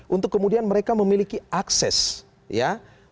untuk kemudian mereka memiliki akses ya